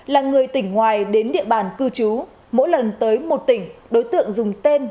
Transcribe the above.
là người tỉnh ngoài đến địa bàn cư trú mỗi lần tới một tỉnh đối tượng dùng tên